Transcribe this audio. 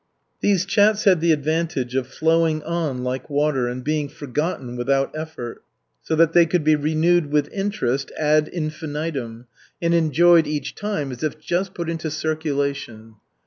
These chats had the advantage of flowing on like water and being forgotten without effort, so that they could be renewed with interest ad infinitum, and enjoyed each time as if just put into circulation.